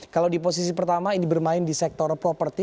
kalau di posisi pertama ini bermain di sektor properti